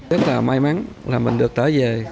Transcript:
rất là may mắn là mình được trở về